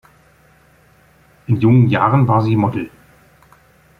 In jungen Jahren war sie Model.